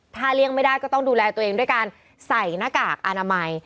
ถ้าเลี่ยงไม่ได้ก็ต้องดูแลตัวเองด้วยการใส่หน้ากากอนามัย